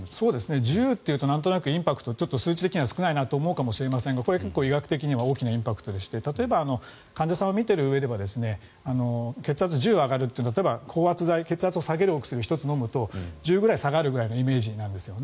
１０というと数字的なインパクトは少ないと思うかもしれませんがこれは結構、医学的には大きなインパクトでして例えば患者さんを診ているうえでは血圧が１０上がるというのは血圧を下げるお薬を１つ飲むと１０ぐらい下がるイメージなんですよね。